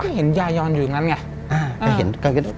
ก็เห็นยายอนอยู่อย่างนั้นไง